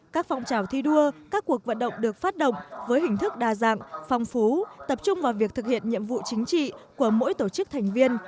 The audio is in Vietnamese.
các phong trào thi đua các cuộc vận động được phát động với hình thức đa dạng phong phú tập trung vào việc thực hiện nhiệm vụ chính trị của mỗi tổ chức thành viên